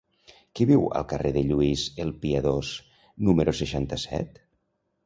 Qui viu al carrer de Lluís el Piadós número seixanta-set?